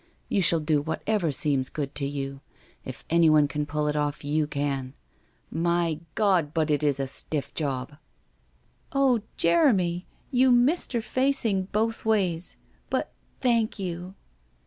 You shall do whatever seems good to you. If anyone can pull it off, you can. My God, but it is a stiff job !'' Oh, Jeremy, you Mr. Facing — both — ways ! But thank you